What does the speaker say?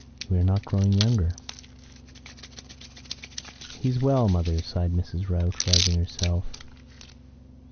We are not growing younger. ..." "He's well, mother," sighed Mrs. Rout, rousing herself.